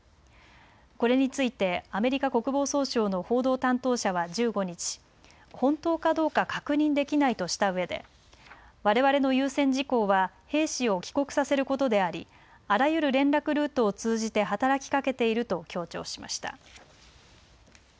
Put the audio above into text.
これについてアメリカ国防総省の報道担当者は１５日、本当かどうか確認できないとしたうえでわれわれの優先事項は兵士を帰国させることでありあらゆる連絡ルートを通じて働きかけていると強調しました。